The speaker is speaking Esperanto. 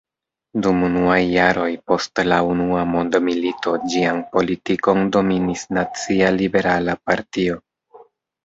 Dum unuaj jaroj post la unua mondmilito ĝian politikon dominis Nacia Liberala Partio.